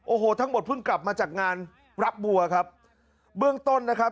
โอ้โหทั้งหมดเพิ่งกลับมาจากงานรับบัวครับเบื้องต้นนะครับ